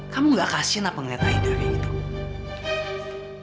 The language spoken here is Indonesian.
kamu gak kasian apa ngeliat aida kayak gitu